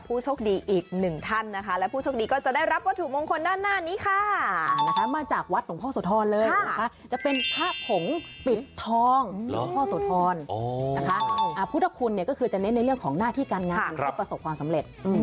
ภูตคุณจะเน้นในเรื่องของหน้าที่การงานให้ประสบความสำเร็จ